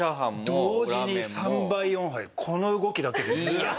同時に３杯４杯この動きだけでずーっと。